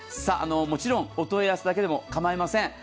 もちろん、お問い合わせだけでも構いません。